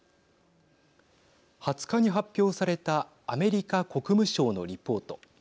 ２０日に発表されたアメリカ国務省のリポート。